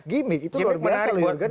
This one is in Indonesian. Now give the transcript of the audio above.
gimik itu luar biasa loh ya